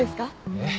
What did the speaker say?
えっ？